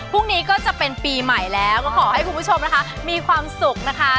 พรุ่งนี้ก็จะเป็นปีใหม่แล้วก็ขอให้คุณผู้ชมนะคะมีความสุขนะคะ